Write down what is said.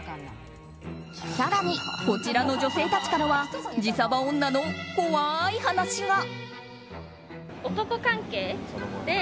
更に、こちらの女性たちからは自サバ女の怖い話が。